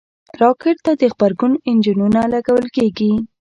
راکټ ته د غبرګون انجنونه لګول کېږي